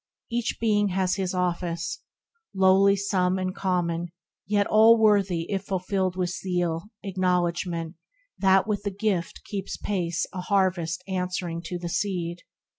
Each Being has his office, lowly some And common, yet all worthy if fulfilled With zeal, acknowledgment that with the gift Keeps pace a harvest answering to the seed.